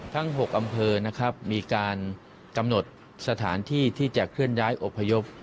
ทั้ง๖อำเภอนะครับมีการกำหนดสถานที่ที่จะเคลื่อนย้ายอบพยพ